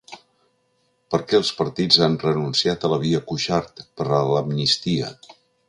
Per què els partits han renunciat a la “via Cuixart” per a l’amnistia?